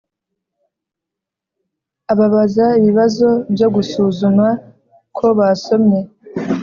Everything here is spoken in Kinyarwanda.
ababaza ibibazo byo gusuzuma ko basomye